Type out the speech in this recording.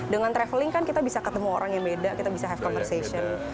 dengan traveling kan kita bisa ketemu orang yang beda kita bisa have conversation